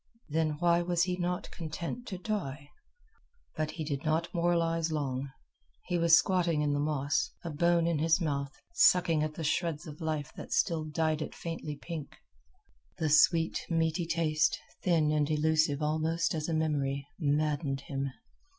Then why was he not content to die? But he did not moralize long. He was squatting in the moss, a bone in his mouth, sucking at the shreds of life that still dyed it faintly pink. The sweet meaty taste, thin and elusive almost as a memory, maddened him.